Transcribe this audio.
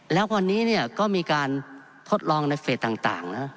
แล้ววันนี้ก็มีการทดลองในเฟสต่างนะ